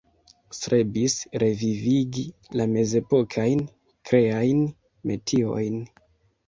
Strebis revivigi la mezepokajn kreajn metiojn.